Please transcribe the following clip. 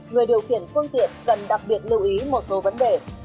người điều khiển phương tiện cần đặc biệt lưu ý một số vấn đề